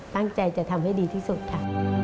ตั้งใจจะทำให้ดีที่สุดค่ะ